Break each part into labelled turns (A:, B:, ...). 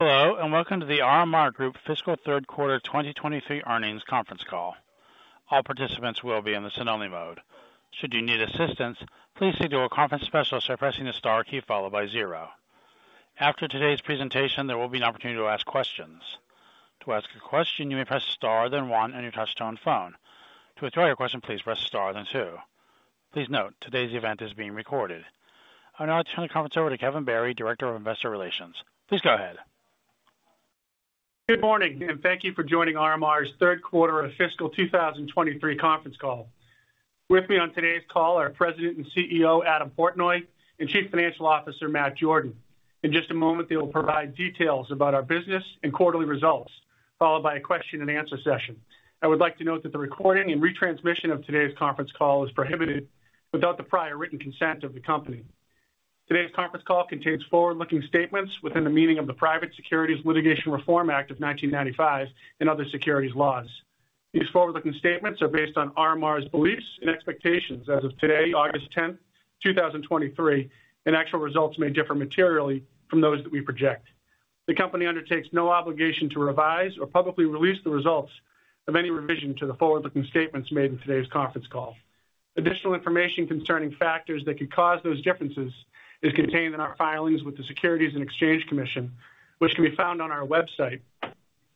A: Hello, and welcome to The RMR Group Fiscal Third Quarter 2023 Earnings Conference Call. All participants will be in the listen-only mode. Should you need assistance, please speak to a conference specialist by pressing the star key followed by 0. After today's presentation, there will be an opportunity to ask questions. To ask a question, you may press star, then 1 on your touchtone phone. To withdraw your question, please press star, then 2. Please note, today's event is being recorded. I'll now turn the conference over to Kevin Barry, Director of Investor Relations. Please go ahead.
B: Good morning, thank you for joining RMR's Third Quarter of Fiscal 2023 Conference Call. With me on today's call are President and CEO;;Adam Portnoy, and Chief Financial Officer, Matt Jordan. In just a moment, they will provide details about our business and quarterly results, followed by a question-and-answer session. I would like to note that the recording and retransmission of today's conference call is prohibited without the prior written consent of the company. Today's conference call contains forward-looking statements within the meaning of the Private Securities Litigation Reform Act of 1995 and other securities laws. These forward-looking statements are based on RMR's beliefs and expectations as of today, August 10th, 2023, and actual results may differ materially from those that we project. The company undertakes no obligation to revise or publicly release the results of any revision to the forward-looking statements made in today's conference call. Additional information concerning factors that could cause those differences is contained in our filings with the Securities and Exchange Commission, which can be found on our website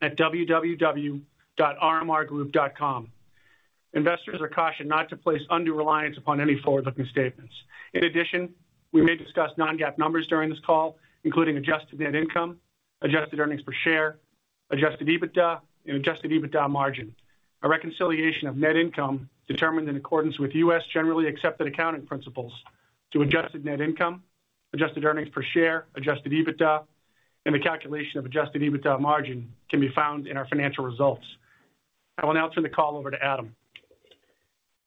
B: at www.rmrgroup.com. Investors are cautioned not to place undue reliance upon any forward-looking statements. In addition, we may discuss non-GAAP numbers during this call, including adjusted net income, adjusted earnings per share, adjusted EBITDA, and adjusted EBITDA margin. A reconciliation of net income determined in accordance with U.S. Generally Accepted Accounting Principles to adjusted net income, adjusted earnings per share, adjusted EBITDA, and the calculation of adjusted EBITDA margin can be found in our financial results. I will now turn the call over to Adam.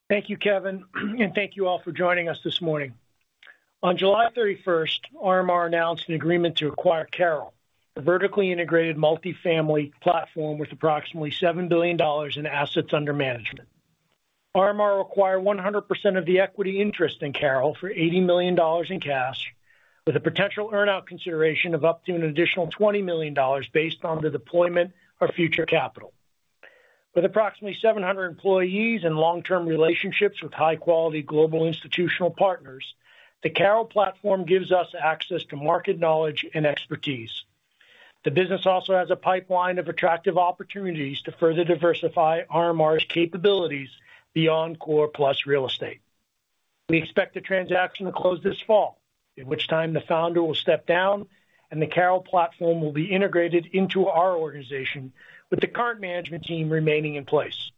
C: Thank you, Kevin, thank you all for joining us this morning. On July thirty-first, RMR announced an agreement to acquire CARROLL, a vertically integrated multifamily platform with approximately $7 billion in assets under management. RMR acquired 100% of the equity interest in CARROLL for $80 million in cash, with a potential earn-out consideration of up to an additional $20 million based on the deployment of future capital. With approximately 700 employees and long-term relationships with high-quality global institutional partners, the CARROLL platform gives us access to market knowledge and expertise. The business also has a pipeline of attractive opportunities to further diversify RMR's capabilities beyond core plus real estate. We expect the transaction to close this fall, at which time the founder will step down and the CARROLL platform will be integrated into our organization, with the current management team remaining in place.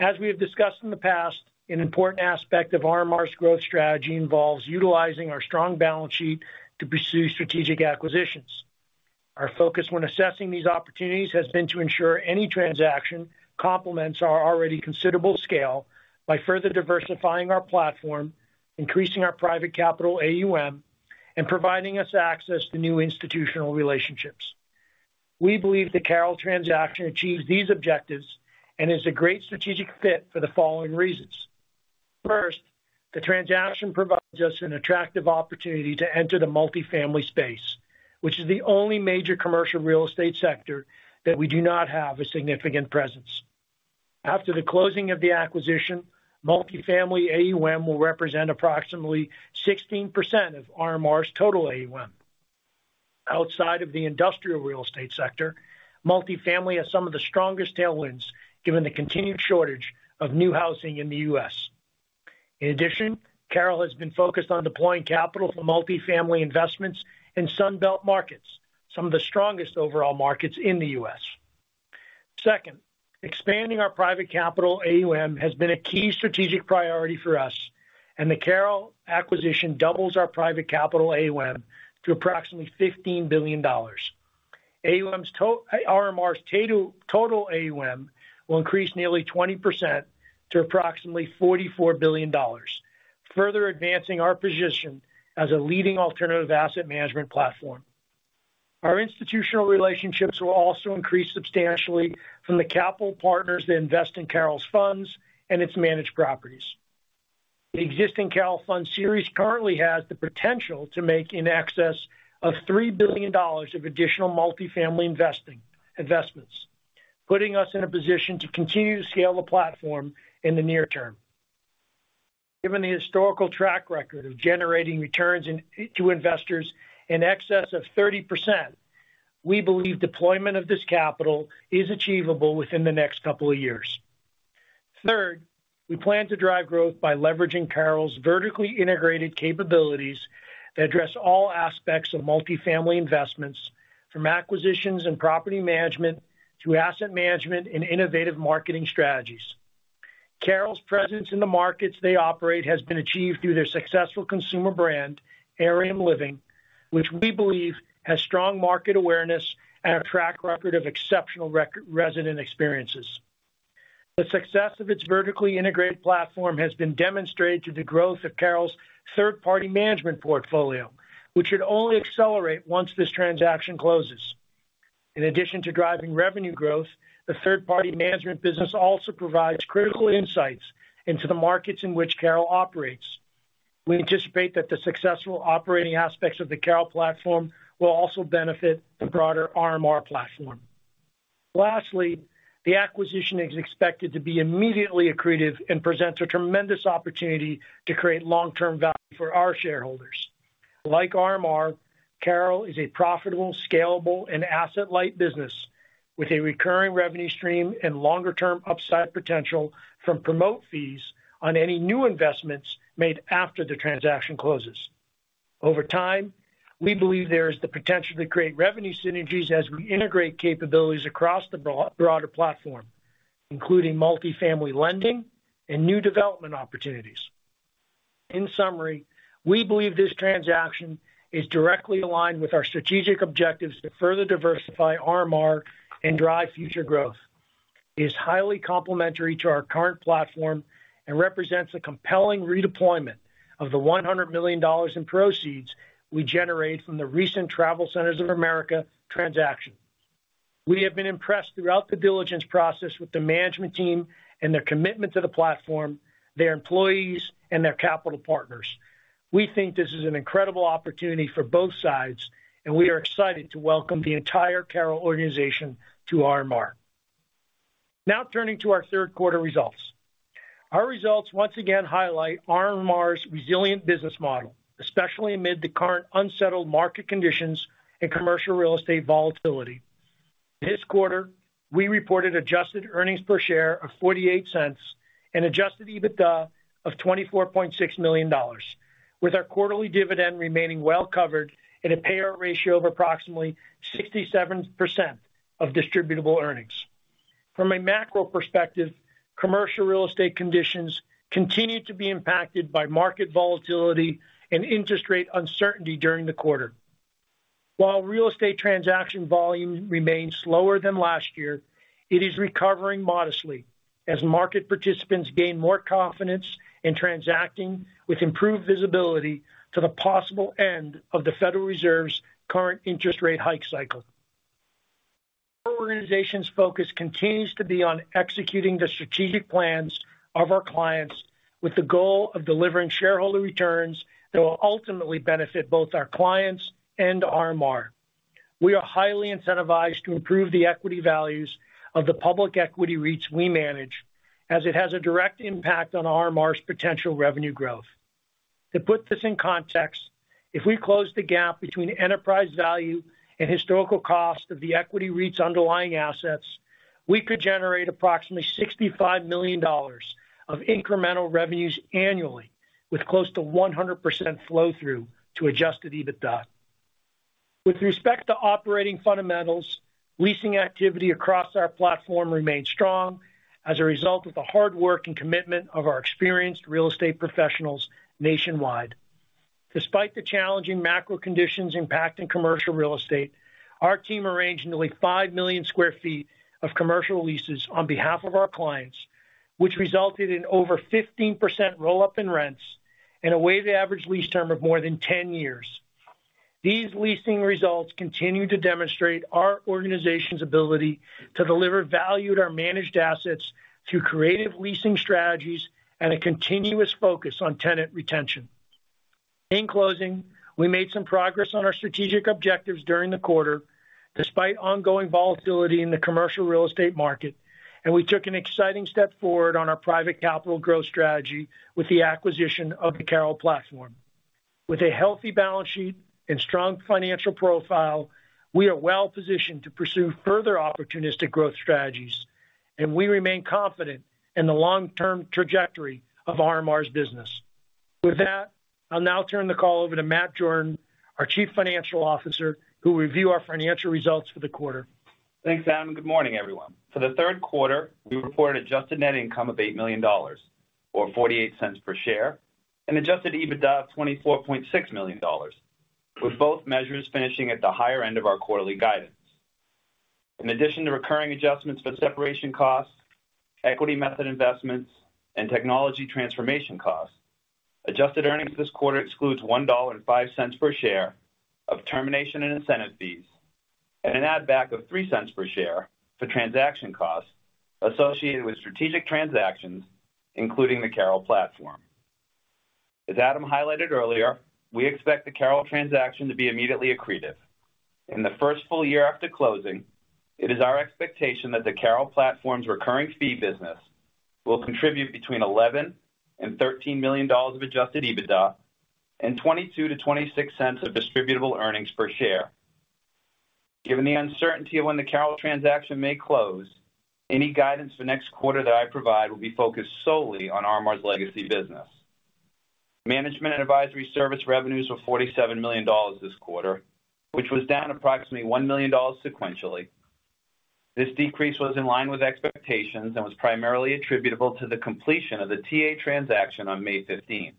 C: As we have discussed in the past, an important aspect of RMR's growth strategy involves utilizing our strong balance sheet to pursue strategic acquisitions. Our focus when assessing these opportunities has been to ensure any transaction complements our already considerable scale by further diversifying our platform, increasing our private capital AUM, and providing us access to new institutional relationships. We believe the CARROLL transaction achieves these objectives and is a great strategic fit for the following reasons. First, the transaction provides us an attractive opportunity to enter the multifamily space, which is the only major commercial real estate sector that we do not have a significant presence. After the closing of the acquisition, multifamily AUM will represent approximately 16% of RMR's total AUM. Outside of the industrial real estate sector, multifamily has some of the strongest tailwinds, given the continued shortage of new housing in the U.S. In addition, CARROLL has been focused on deploying capital for multifamily investments in Sun Belt markets, some of the strongest overall markets in the U.S. Second, expanding our private capital AUM has been a key strategic priority for us, and the CARROLL acquisition doubles our private capital AUM to approximately $15 billion. AUM's RMR's total, total AUM will increase nearly 20% to approximately $44 billion, further advancing our position as a leading alternative asset management platform. Our institutional relationships will also increase substantially from the capital partners that invest in CARROLL's funds and its managed properties. The existing CARROLL Multifamily Venture currently has the potential to make in excess of $3 billion of additional multifamily investments, putting us in a position to continue to scale the platform in the near term. Given the historical track record of generating returns to investors in excess of 30%, we believe deployment of this capital is achievable within the next couple of years. Third, we plan to drive growth by leveraging CARROLL's vertically integrated capabilities that address all aspects of multifamily investments, from acquisitions and property management to asset management and innovative marketing strategies. CARROLL's presence in the markets they operate has been achieved through their successful consumer brand, ARIUM Living, which we believe has strong market awareness and a track record of exceptional resident experiences. The success of its vertically integrated platform has been demonstrated through the growth of CARROLL's Third-Party Management Portfolio, which should only accelerate once this transaction closes. In addition to driving revenue growth, the third-party management business also provides critical insights into the markets in which CARROLL operates. We anticipate that the successful operating aspects of the CARROLL platform will also benefit the broader RMR platform. Lastly, the acquisition is expected to be immediately accretive and presents a tremendous opportunity to create long-term value for our shareholders. Like RMR, CARROLL is a profitable, scalable, and asset-light business with a recurring revenue stream and longer-term upside potential from promote fees on any new investments made after the transaction closes. Over time, we believe there is the potential to create revenue synergies as we integrate capabilities across the broader platform, including multifamily lending and new development opportunities. In summary, we believe this transaction is directly aligned with our strategic objectives to further diversify RMR and drive future growth. It is highly complementary to our current platform and represents a compelling redeployment of the $100 million in proceeds we generated from the recent TravelCenters of America transaction. We have been impressed throughout the diligence process with the management team and their commitment to the platform, their employees, and their capital partners. We think this is an incredible opportunity for both sides, and we are excited to welcome the entire CARROLL organization to RMR. Now turning to our third quarter results. Our results once again highlight RMR's resilient business model, especially amid the current unsettled market conditions and commercial real estate volatility. This quarter, we reported adjusted earnings per share of $0.48 and Adjusted EBITDA of $24.6 million, with our quarterly dividend remaining well covered and a payout ratio of approximately 67% of distributable earnings. From a macro perspective, commercial real estate conditions continued to be impacted by market volatility and interest rate uncertainty during the quarter. While real estate transaction volume remains slower than last year, it is recovering modestly as market participants gain more confidence in transacting with improved visibility to the possible end of the Federal Reserve's current interest rate hike cycle. Our organization's focus continues to be on executing the strategic plans of our clients with the goal of delivering shareholder returns that will ultimately benefit both our clients and RMR. We are highly incentivized to improve the equity values of the public equity REITs we manage, as it has a direct impact on RMR's potential revenue growth. To put this in context, if we close the gap between enterprise value and historical cost of the equity REIT's underlying assets, we could generate approximately $65 million of incremental revenues annually, with close to 100% flow through to Adjusted EBITDA. With respect to operating fundamentals, leasing activity across our platform remained strong as a result of the hard work and commitment of our experienced real estate professionals nationwide. Despite the challenging macro conditions impacting commercial real estate, our team arranged nearly five million sq ft of commercial leases on behalf of our clients, which resulted in over 15% roll-up in rents and a weighted average lease term of more than 10 years. These leasing results continue to demonstrate our organization's ability to deliver value to our managed assets through creative leasing strategies and a continuous focus on tenant retention. In closing, we made some progress on our strategic objectives during the quarter, despite ongoing volatility in the commercial real estate market, and we took an exciting step forward on our private capital growth strategy with the acquisition of the CARROLL platform. With a healthy balance sheet and strong financial profile, we are well positioned to pursue further opportunistic growth strategies, and we remain confident in the long-term trajectory of RMR's business. With that, I'll now turn the call over to Matthew Jordan; our Chief Financial Officer, who will review our financial results for the quarter.
D: Thanks, Adam, good morning, everyone. For the third quarter, we reported adjusted net income of $8 million, or $0.48 per share, and adjusted EBITDA of $24.6 million, with both measures finishing at the higher end of our quarterly guidance. In addition to recurring adjustments for separation costs, equity method investments, and technology transformation costs, adjusted earnings this quarter excludes $1.05 per share of termination and incentive fees, and an add back of $0.03 per share for transaction costs associated with strategic transactions, including the CARROLL platform. As Adam highlighted earlier, we expect the CARROLL transaction to be immediately accretive. In the first full year after closing, it is our expectation that the CARROLL platform's recurring fee business will contribute between $11 million and $13 million of adjusted EBITDA and $0.22-$0.26 of distributable earnings per share. Given the uncertainty of when the CARROLL transaction may close, any guidance for next quarter that I provide will be focused solely on RMR's legacy business. management and advisory service revenues were $47 million this quarter, which was down approximately $1 million sequentially. This decrease was in line with expectations and was primarily attributable to the completion of the TA transaction on May 15.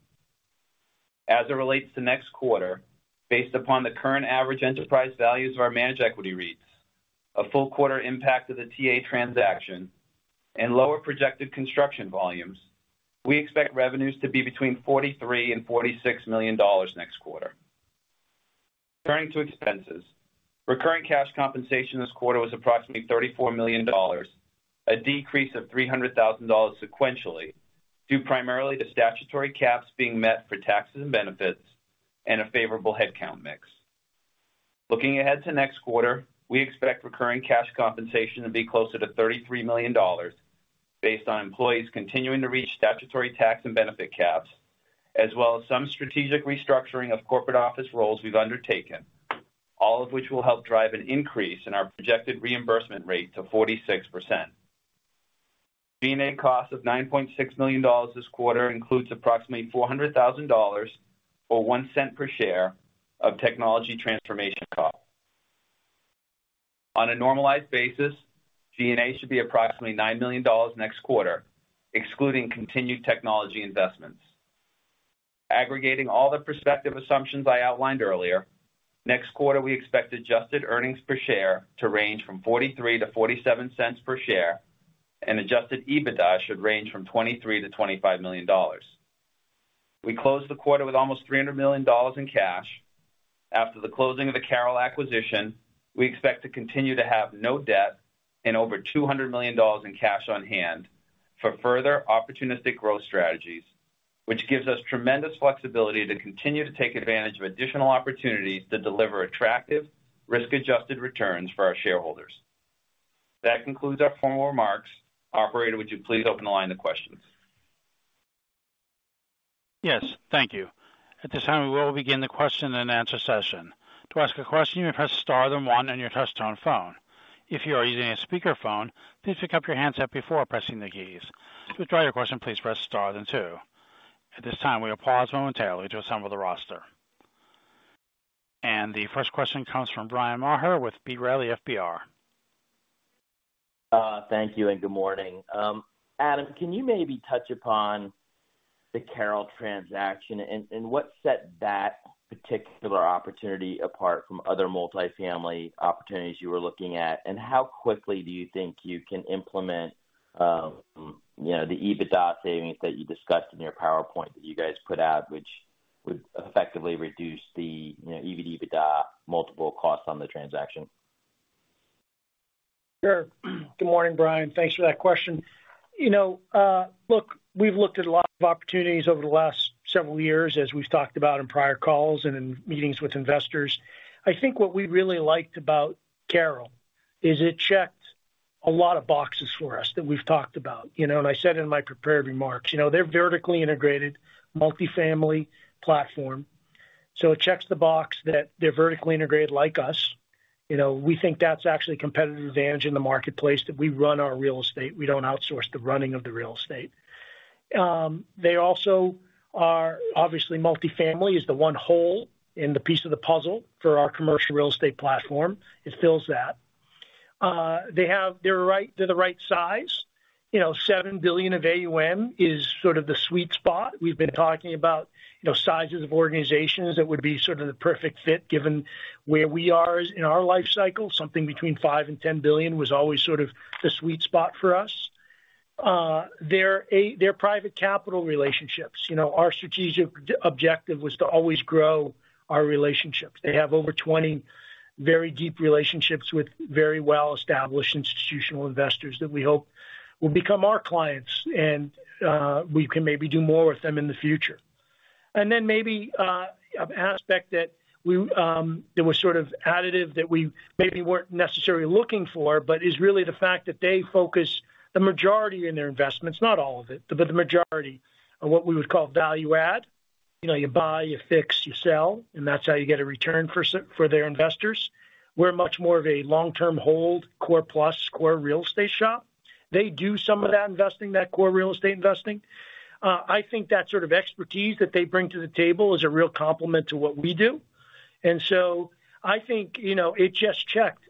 D: As it relates to next quarter, based upon the current average enterprise values of our managed equity REITs, a full quarter impact of the TA transaction, and lower projected construction volumes, we expect revenues to be between $43 million and $46 million next quarter. Turning to expenses. recurring cash compensation this quarter was approximately $34 million, a decrease of $300,000 sequentially, due primarily to statutory caps being met for taxes and benefits and a favorable headcount mix. Looking ahead to next quarter, we expect recurring cash compensation to be closer to $33 million, based on employees continuing to reach statutory tax and benefit caps, as well as some strategic restructuring of corporate office roles we've undertaken, all of which will help drive an increase in our projected reimbursement rate to 46%. G&A costs of $9.6 million this quarter includes approximately $400,000, or $0.01 per share, of technology transformation costs. On a normalized basis, G&A should be approximately $9 million next quarter, excluding continued technology investments. Aggregating all the prospective assumptions I outlined earlier, next quarter, we expect adjusted earnings per share to range from $0.43-$0.47 per share, and adjusted EBITDA should range from $23 million-$25 million. We closed the quarter with almost $300 million in cash. After the closing of the CARROLL acquisition, we expect to continue to have no debt and over $200 million in cash on hand for further opportunistic growth strategies, which gives us tremendous flexibility to continue to take advantage of additional opportunities to deliver attractive risk-adjusted returns for our shareholders. That concludes our formal remarks. Operator, would you please open the line to questions?
A: Yes, thank you. At this time, we will begin the question-and-answer session. To ask a question, you may press star then one on your touchtone phone. If you are using a speakerphone, please pick up your handset before pressing the keys. To withdraw your question, please press star then two. At this time, we will pause momentarily to assemble the roster. The first question comes from Bryan Maher with B. Riley Securities.
E: Thank you, and good morning. Adam, can you maybe touch upon the CARROLL transaction and what set that particular opportunity apart from other multifamily opportunities you were looking at? How quickly do you think you can implement, you know, the EBITDA savings that you discussed in your PowerPoint that you guys put out, which would effectively reduce the, you know, EV/EBITDA multiple costs on the transaction?
C: Sure. Good morning, Bryan. Thanks for that question. You know, look, we've looked at a lot of opportunities over the last several years, as we've talked about in prior calls and in meetings with investors. I think what we really liked about CARROLL is it checked a lot of boxes for us that we've talked about. You know, and I said in my prepared remarks, you know, they're vertically integrated, multifamily platform, so it checks the box that they're vertically integrated like us. You know, we think that's actually a competitive advantage in the marketplace, that we run our real estate. We don't outsource the running of the real estate. They also are obviously, multifamily is the one hole in the piece of the puzzle for our commercial real estate platform. It fills that. They're the right size. You know, $7 billion of AUM is sort of the sweet spot. We've been talking about, you know, sizes of organizations that would be sort of the perfect fit, given where we are in our life cycle. Something between $5 billion and $10 billion was always sort of the sweet spot for us. Their private capital relationships. You know, our strategic objective was to always grow our relationships. They have over 20 very deep relationships with very well-established institutional investors that we hope will become our clients, and we can maybe do more with them in the future. Maybe an aspect that we that was sort of additive, that we maybe weren't necessarily looking for, but is really the fact that they focus the majority in their investments, not all of it, but the majority, on what we would call value add. You know, you buy, you fix, you sell, and that's how you get a return for s- for their investors. We're much more of a long-term hold, core plus, core real estate shop. They do some of that investing, that core real estate investing. I think that sort of expertise that they bring to the table is a real complement to what we do. So I think, you know, it just checked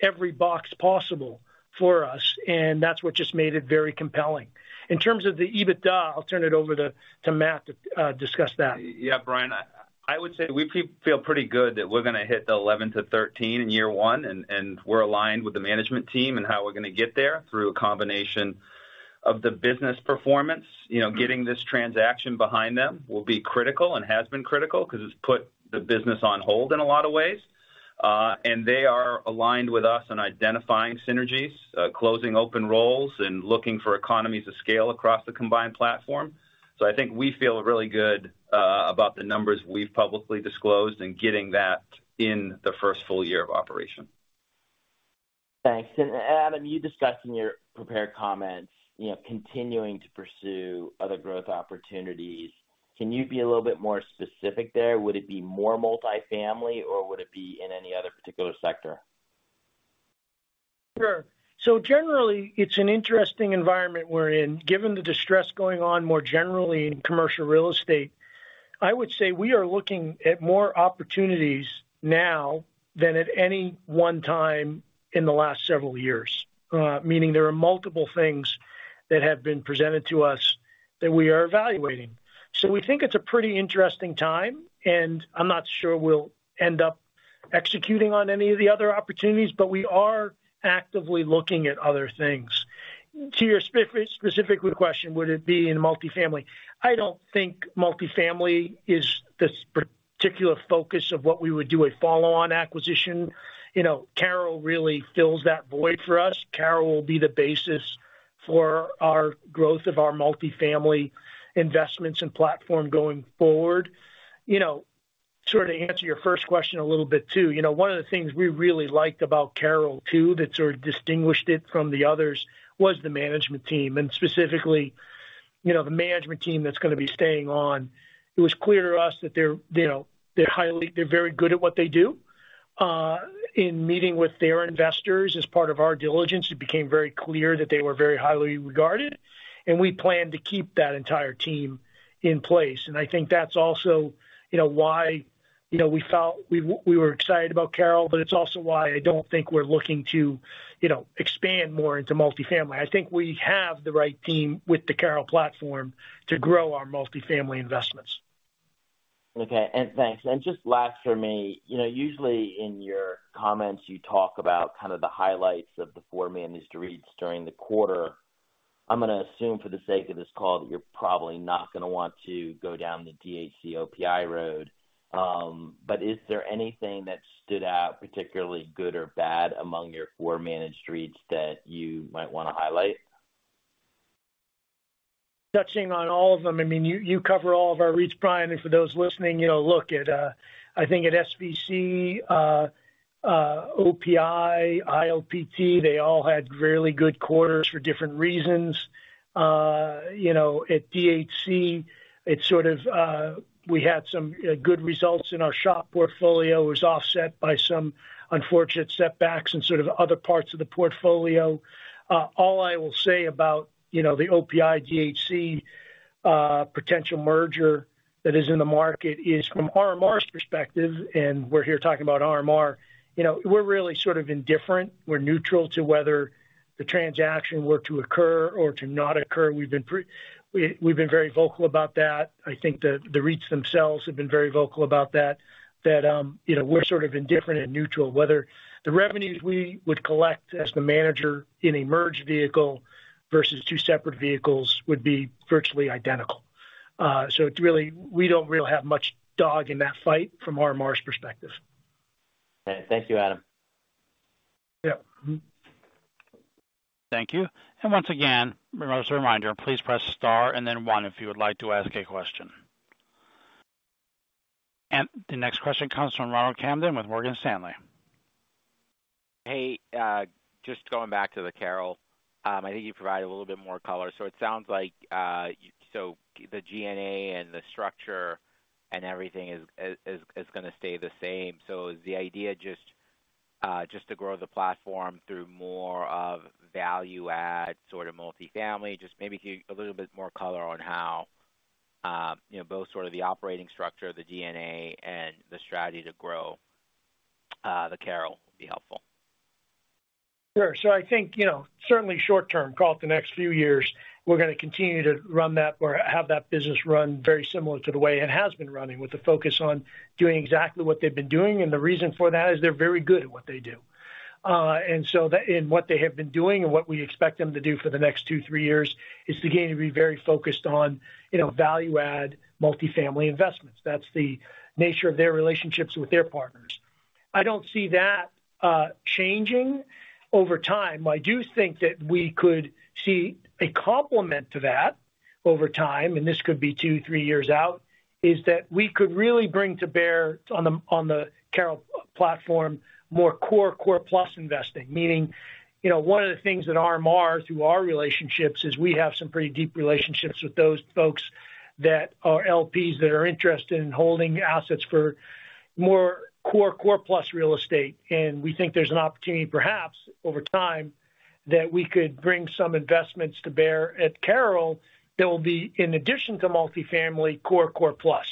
C: every box possible for us, and that's what just made it very compelling. In terms of the EBITDA, I'll turn it over to Matt to discuss that.
D: Yeah, Bryan, I, I would say we feel pretty good that we're going to hit the $11-$13 in year 1, and we're aligned with the management team in how we're going to get there through a combination of the business performance. You know, getting this transaction behind them will be critical and has been critical because it's put the business on hold in a lot of ways. They are aligned with us in identifying synergies, closing open roles, and looking for economies of scale across the combined platform. I think we feel really good about the numbers we've publicly disclosed and getting that in the first full year of operation.
E: Thanks. Adam, you discussed in your prepared comments, you know, continuing to pursue other growth opportunities. Can you be a little bit more specific there? Would it be more multifamily, or would it be in any other particular sector?
C: Sure. Generally, it's an interesting environment we're in. Given the distress going on more generally in commercial real estate, I would say we are looking at more opportunities now than at any 1 time in the last several years. Meaning there are multiple things that have been presented to us that we are evaluating. We think it's a pretty interesting time, and I'm not sure we'll end up executing on any of the other opportunities, but we are actively looking at other things. To your specific question, would it be in multifamily? I don't think multifamily is the particular focus of what we would do, a follow-on acquisition. You know, CARROLL really fills that void for us. CARROLL will be the basis for our growth of our multifamily investments and platform going forward. You know, sort of to answer your first question a little bit, too. You know, one of the things we really liked about CARROLL, too, that sort of distinguished it from the others, was the management team, and specifically, you know, the management team that's going to be staying on. It was clear to us that they're, you know, they're highly, they're very good at what they do. In meeting with their investors as part of our diligence, it became very clear that they were very highly regarded, and we plan to keep that entire team in place. I think that's also, you know, why, you know, we felt we, we were excited about CARROLL, it's also why I don't think we're looking to, you know, expand more into multifamily. I think we have the right team with the CARROLL platform to grow our multifamily investments.
E: Okay, and thanks. Just last for me, you know, usually in your comments, you talk about kind of the highlights of the four managed REITs during the quarter. I'm going to assume for the sake of this call, that you're probably not going to want to go down the DHC OPI road. Is there anything that stood out, particularly good or bad, among your four managed REITs that you might want to highlight?
C: Touching on all of them, I mean, you, you cover all of our REITs, Bryan Maher. For those listening, you know, look at, I think at SVC, OPI, ILPT, they all had really good quarters for different reasons. You know, at DHC, it sort of, we had some good results in our shopping center portfolio was offset by some unfortunate setbacks and sort of other parts of the portfolio. All I will say about, you know, the OPI-DHC potential merger that is in the market is from RMR's perspective, and we're here talking about RMR, you know, we're really sort of indifferent. We're neutral to whether the transaction were to occur or to not occur. We've been very vocal about that. I think the, the REITs themselves have been very vocal about that, that, you know, we're sort of indifferent and neutral, whether the revenues we would collect as the manager in a merged vehicle versus two separate vehicles would be virtually identical. It's really, we don't really have much dog in that fight from RMR's perspective.
E: Okay. Thank you, Adam.
C: Yep.
A: Thank you. Once again, just a reminder, please press Star and then one, if you would like to ask a question. The next question comes from Ronald Kamdem with Morgan Stanley.
F: Hey, just going back to the CARROLL, I think you provided a little bit more color. It sounds like, so the G&A and the structure and everything is, is, is going to stay the same. Is the idea just, just to grow the platform through more of value-add, sort of multifamily? Just maybe a little bit more color on how, you know, both sort of the operating structure, the G&A and the strategy to grow, the CARROLL would be helpful.
C: Sure. I think, you know, certainly short term, call it the next few years, we're going to continue to run that or have that business run very similar to the way it has been running, with the focus on doing exactly what they've been doing. The reason for that is they're very good at what they do. And what they have been doing and what we expect them to do for the next 2, 3 years is again, to be very focused on, you know, value-add, multifamily investments. That's the nature of their relationships with their partners. I don't see that changing over time. I do think that we could see a complement to that over time, and this could be 2, 3 years out, is that we could really bring to bear on the, on the CARROLL platform, more core, core plus investing. Meaning, you know, one of the things at RMR, through our relationships, is we have some pretty deep relationships with those folks that are LPs that are interested in holding assets for more core, core plus real estate. We think there's an opportunity, perhaps over time, that we could bring some investments to bear at CARROLL that will be in addition to multifamily, core, core plus.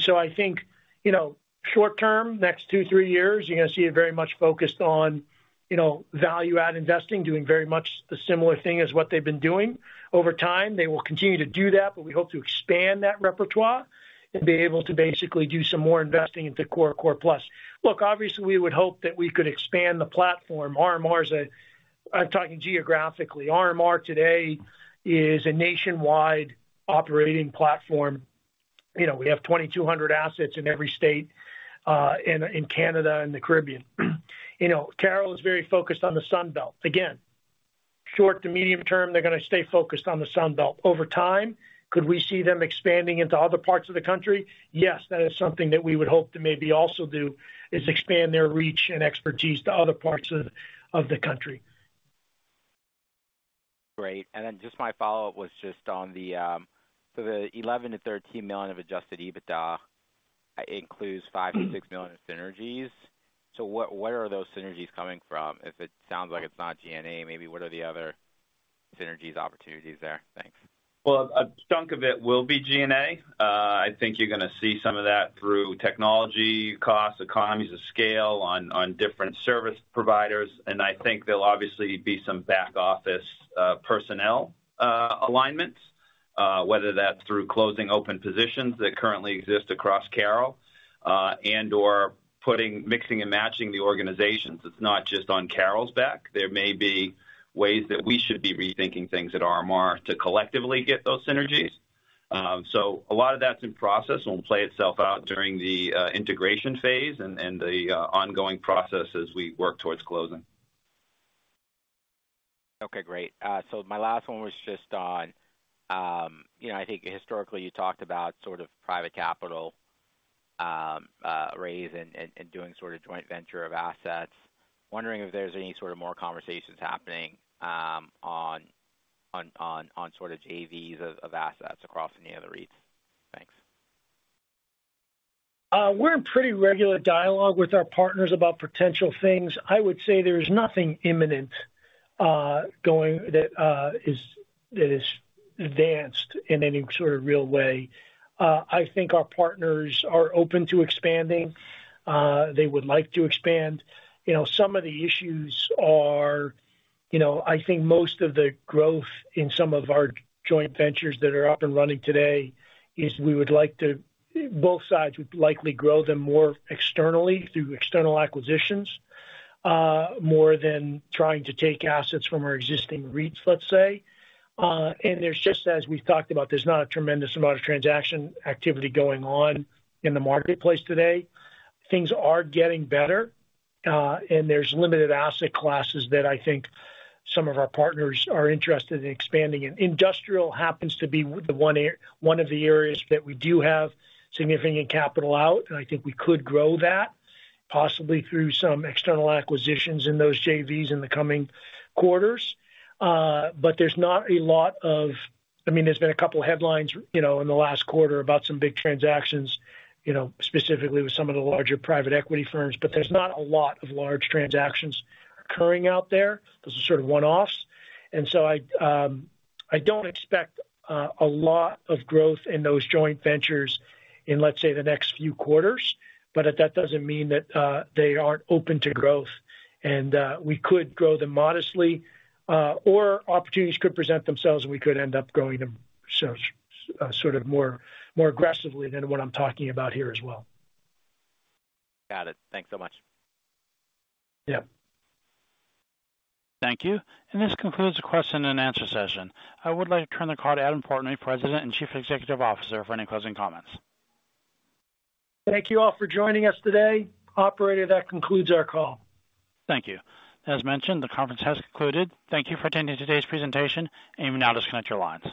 C: So I think, you know, short term, next 2, 3 years, you're going to see it very much focused on, you know, value-add investing, doing very much the similar thing as what they've been doing. Over time, they will continue to do that, but we hope to expand that repertoire and be able to basically do some more investing into core, core plus. Look, obviously, we would hope that we could expand the platform. RMR is a. I'm talking geographically. RMR today is a nationwide operating platform. You know, we have 2,200 assets in every state, in, in Canada and the Caribbean. You know, CARROLL is very focused on the Sun Belt. Again, short to medium term, they're going to stay focused on the Sun Belt. Over time, could we see them expanding into other parts of the country? Yes, that is something that we would hope to maybe also do, is expand their reach and expertise to other parts of, of the country.
F: Great. My follow-up was just on the, so the $11 million-$13 million of Adjusted EBITDA includes $5 million-$6 million of synergies. What, where are those synergies coming from? If it sounds like it's not G&A, maybe what are the other synergies opportunities there? Thanks.
D: Well, a chunk of it will be G&A. I think you're going to see some of that through technology costs, economies of scale on, on different service providers, and I think there'll obviously be some back-office personnel alignments, whether that's through closing open positions that currently exist across CARROLL, and/or putting, mixing and matching the organizations. It's not just on CARROLL's back. There may be ways that we should be rethinking things at RMR to collectively get those synergies. So a lot of that's in process, and will play itself out during the integration phase and, and the ongoing process as we work towards closing.
F: Okay, great. My last one was just on, you know, I think historically, you talked about sort of private capital raise and, and doing sort of joint venture of assets. Wondering if there's any sort of more conversations happening on, on, on sort of JVs of, of assets across any other REITs? Thanks.
C: We're in pretty regular dialogue with our partners about potential things. I would say there's nothing imminent going that is advanced in any sort of real way. I think our partners are open to expanding. They would like to expand. You know, some of the issues are, you know, I think most of the growth in some of our joint ventures that are up and running today is we would like to—both sides would likely grow them more externally through external acquisitions, more than trying to take assets from our existing REITs, let's say. And there's just, as we've talked about, there's not a tremendous amount of transaction activity going on in the marketplace today. Things are getting better, and there's limited asset classes that I think some of our partners are interested in expanding in. Industrial happens to be the one one of the areas that we do have significant capital out, and I think we could grow that possibly through some external acquisitions in those JVs in the coming quarters. There's not a lot of... I mean, there's been a couple of headlines, you know, in the last quarter about some big transactions, you know, specifically with some of the larger private equity firms, but there's not a lot of large transactions occurring out there. Those are sort of one-offs. So I, I don't expect a lot of growth in those joint ventures in, let's say, the next few quarters, but that doesn't mean that they aren't open to growth and we could grow them modestly, or opportunities could present themselves, and we could end up growing them sort of more, more aggressively than what I'm talking about here as well.
F: Got it. Thanks so much.
C: Yeah.
A: Thank you. This concludes the question and answer session. I would like to turn the call to Adam Portnoy, President and Chief Executive Officer, for any closing comments.
C: Thank you all for joining us today. Operator, that concludes our call.
A: Thank you. As mentioned, the conference has concluded. Thank you for attending today's presentation. You may now disconnect your lines.